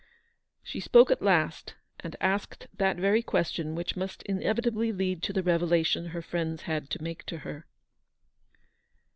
She spoke at last, and asked that very question which must inevitably lead to the revelation her friends had to make to her.